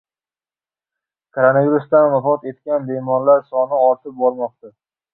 Koronavirusdan vafot etgan bemorlar soni ortib bormoqda